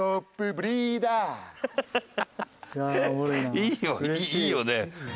いいよね。